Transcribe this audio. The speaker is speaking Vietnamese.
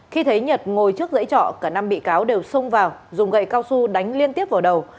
khi thấy nhật ngồi trước dãy trọ cả năm bị cáo đều xông vào dùng gậy cao su đánh liên tiếp vào đầu